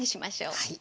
はい。